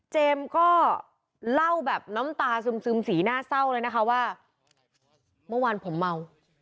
ก็เล่าแบบน้ำตาซึมสีหน้าเศร้าเลยนะคะว่าเมื่อวานผมเมา